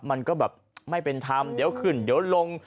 มันก็แบบไม่เป็นธรรมเดี๋ยวขึ้นเดี๋ยวลง